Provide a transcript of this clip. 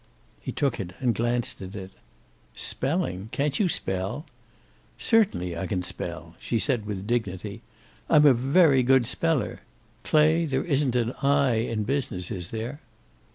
He took it and glanced at it. "Spelling! Can't you spell?" "Certainly I can spell," she said with dignity. "I'm a very good speller. Clay, there isn't an 'i' in business, is there?"